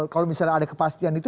kalau misalnya ada kepastian itu